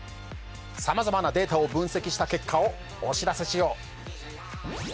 さまざまなデータを分析した結果をお知らせしよう。